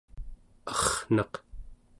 arrnaq